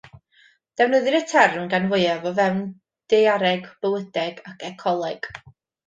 Defnyddir y term gan fwyaf o fewn daeareg, bywydeg ac ecoleg.